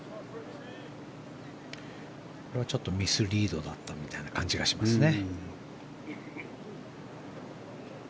これはちょっとミスリードだったみたいな感じがしますね。